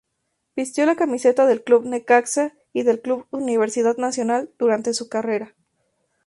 Vistió la camiseta del Club Necaxa y del Club Universidad Nacional durante su carrera.